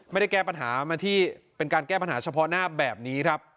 ไม่ได้แก้ปัญหามาที่เป็นการแก้ปัญหาเฉพาะหน้าแบบนี้ครับ